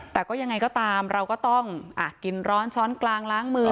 แต่ก็ยังไงก็ตามเราก็ต้องกินร้อนช้อนกลางล้างมือ